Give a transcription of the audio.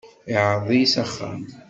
Iεreḍ-iyi s axxam.